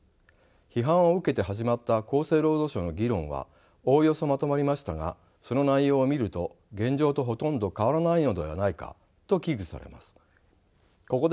批判を受けて始まった厚生労働省の議論はおおよそまとまりましたがその内容を見ると現状とほとんど変わらないのではないかと危惧されます。